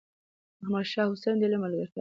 احمد شاه حسين د علم ملګرتيا خوښوله.